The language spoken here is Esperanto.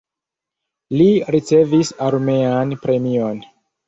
Li ricevis armean premion.